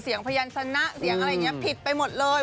พยานสนะเสียงอะไรอย่างนี้ผิดไปหมดเลย